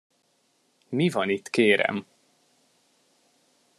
Mi van itt, kérem?